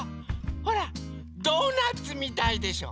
ほらドーナツみたいでしょ！